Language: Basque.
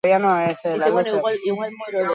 Guztiak ikertzen dira, eta lanean gogor ari gara.